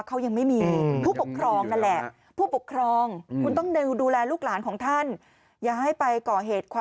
ก็อยากให้ดูแลลูกหลานของตัวเองด้วยอะค่ะ